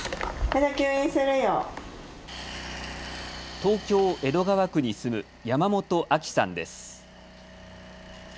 東京江戸川区に住む山本阿伎さんです。